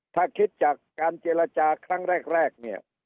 ถ้าคิดจากการเจรจาครั้งแรกเนี่ย